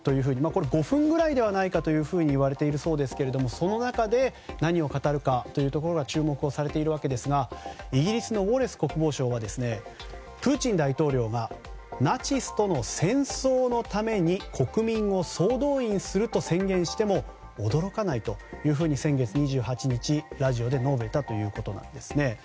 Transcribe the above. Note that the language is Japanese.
これ、５分ぐらいではないかと言われているそうですがその中で何を語るかが注目されているわけですがイギリスのウォレス国防相はプーチン大統領がナチスとの戦争のために国民を総動員すると宣言しても驚かないというふうに先月２８日にラジオで述べたということです。